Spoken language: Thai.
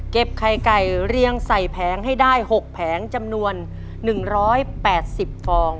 ไข่ไก่เรียงใส่แผงให้ได้๖แผงจำนวน๑๘๐ฟอง